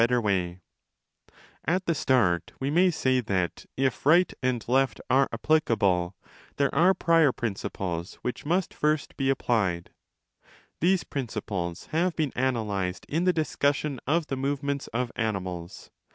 E2 284" 15 20 [Ὁ] οι 20 5 DE CAELO that, if right and left are applicable, there are prior princi ples which must first be applied. These principles have been analysed in the discussion of the movements of animals